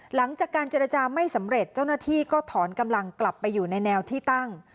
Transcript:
หลังจากการเจรจาไม่สำเร็จเจ้าหน้าที่ก็ถอนกำลังกลับไปอยู่ในแนวที่ตั้ง